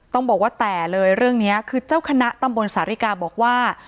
ต้องบอกว่าแต่เลยเรื่องนี้คือเจ้าคณะตำบลสาริกาบอกว่า